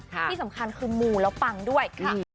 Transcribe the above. ที่สำคัญคือมูแล้วปังด้วยค่ะ